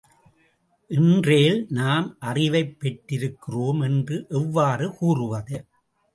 இன்றேல், நாம் அறிவைப் பெற்றிருக்கிறோம் என்று எவ்வாறு கூறுவது?